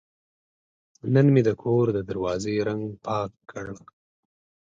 نن مې د کور د دروازې رنګ پاک کړ.